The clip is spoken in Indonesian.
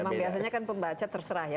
memang biasanya kan pembaca terserah ya